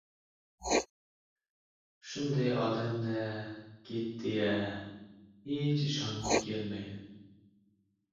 Shunday odam-da ketdi-ya! Hech ishongim kelmaydi!